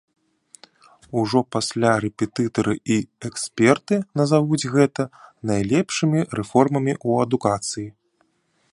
Ужо пасля рэпетытары і эксперты назавуць гэта найлепшымі рэформамі ў адукацыі.